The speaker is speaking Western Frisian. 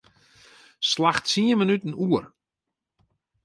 Slach tsien minuten oer.